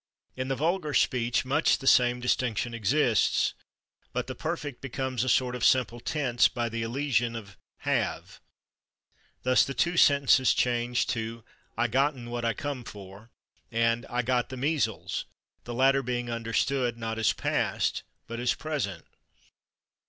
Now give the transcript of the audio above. In the vulgar speech, much the same distinction exists, but the perfect becomes a sort of simple tense by the elision of /have/. Thus the two sentences change to "I /gotten/ what I come for" and "I /got/ the measles," the latter being understood, not as past, but as present.